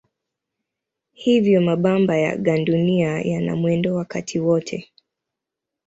Hivyo mabamba ya gandunia yana mwendo wakati wote.